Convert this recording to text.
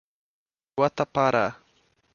Guatapará